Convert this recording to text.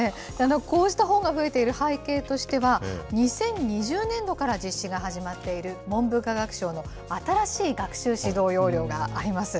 こうした本が増えている背景としては、２０２０年度から実施が始まっている、文部科学省の新しい学習指導要領があります。